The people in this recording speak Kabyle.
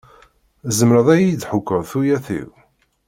Tzemreḍ ad yi-d-tḥukkeḍ tuyat-iw?